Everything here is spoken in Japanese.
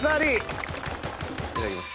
いただきます。